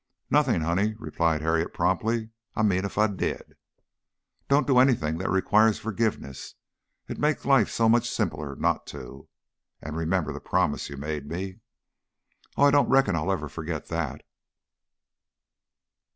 "Nothing, honey," replied Harriet, promptly. "I mean if I did." "Don't do anything that requires forgiveness. It makes life so much simpler not to. And remember the promise you made me." "Oh, I don't reckon I'll ever forget that."